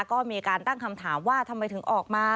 ก็มีการตั้งคำถามว่าทำไมถึงออกมา